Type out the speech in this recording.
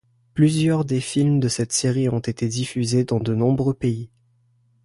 Plusieurs des films de cette série ont été diffusés dans de nombreux pays.